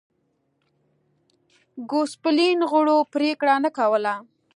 د ګوسپلین غړو پرېکړه نه کوله.